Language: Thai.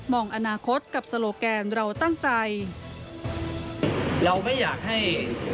มองอนาคตกับสโลแกนเราตั้งใจ